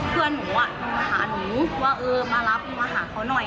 เพื่อนหนูมาหาหนูว่าเออมารับมาหาเขาหน่อย